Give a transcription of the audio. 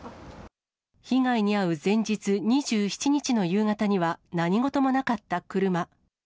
被害に遭う前日、２７日の夕方には、何事もなかった車。